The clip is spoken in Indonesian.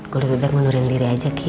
gue lebih baik mengundurin diri aja ki